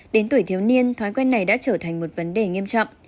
đến tuổi thiếu niên thói quen này đã trở thành một vấn đề nghiêm trọng